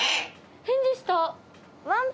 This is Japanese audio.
返事した。